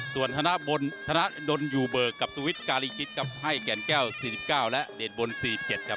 ส่วนธนาบนธนาดนอยู่เบอร์กับสวิตซ์การีคิดครับให้แก่นแก้วสี่สิบเก้าและเดทบนสี่สิบเจ็ดครับ